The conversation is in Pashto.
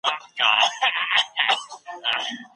د ژوند اسانتياوي د حکومت لخوا برابريږي.